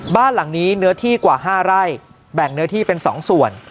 บ้านหลังนี้เนื้อที่กว่า๕ไร่แบ่งเนื้อที่เป็น๒ส่วน